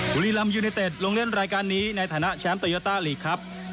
บุรีรำยูเนเต็ดลงเล่นรายการนี้ในฐานะแชมป์โตโยต้าลีกครับ